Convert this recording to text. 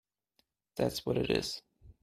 That’s what it is!